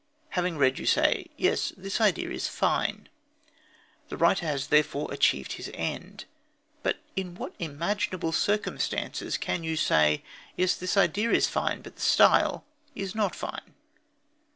Having read, you say: "Yes, this idea is fine." The writer has therefore achieved his end. But in what imaginable circumstances can you say: "Yes, this idea is fine, but the style is not fine"?